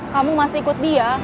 kamu masih ikut dia